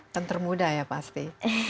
dan termuda ya pasti